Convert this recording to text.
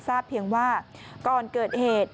ทราบเพียงว่าก่อนเกิดเหตุ